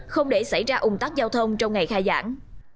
không để xảy ra ủng tắc giao thông trong ngày khai giảng